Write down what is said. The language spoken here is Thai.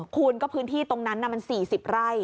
คุณก็พื้นที่ตรงนั้นมัน๔๐ไร่